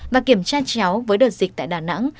và kiểm tra chéo với đợt dịch tại đà nẵng